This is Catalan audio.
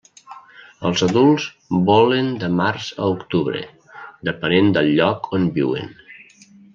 Els adults volen de març a octubre, depenent del lloc on viuen.